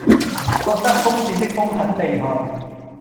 覺得風扇的風很厲害